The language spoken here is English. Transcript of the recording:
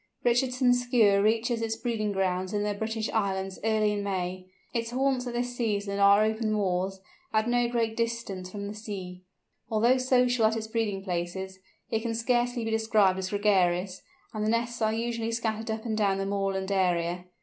Richardson's Skua reaches its breeding grounds in the British Islands early in May. Its haunts at this season are open moors, at no great distance from the sea. Although social at its breeding places, it can scarcely be described as gregarious, and the nests are usually scattered up and down the moorland area.